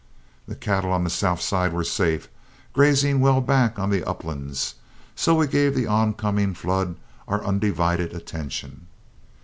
The cattle on the south side were safe, grazing well back on the uplands, so we gave the oncoming flood our undivided attention.